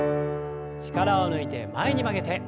力を抜いて前に曲げて。